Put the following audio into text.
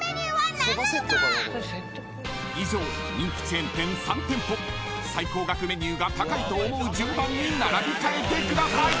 ［以上人気チェーン店３店舗最高額メニューが高いと思う順番に並び替えてください］